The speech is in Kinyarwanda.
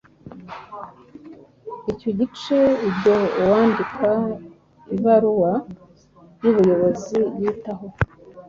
Icyo gice Ibyo uwandika ibaruwa y’ubuyobozi yitaho